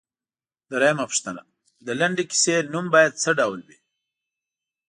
درېمه پوښتنه ـ د لنډې کیسې نوم باید څه ډول وي؟